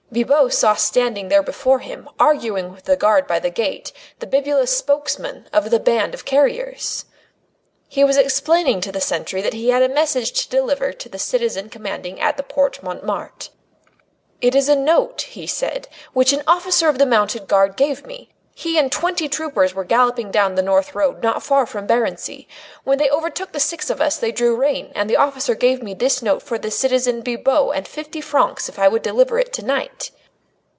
Bibot saw standing there before him, arguing with the guard by the gate, the bibulous spokesman of the band of carriers. He was explaining to the sentry that he had a message to deliver to the citizen commanding at the Porte Montmartre. "It is a note," he said, "which an officer of the mounted guard gave me. He and twenty troopers were galloping down the great North Road not far from Barency. When they overtook the six of us they drew rein, and the officer gave me this note for citizen Bibot and fifty francs if I would deliver it tonight."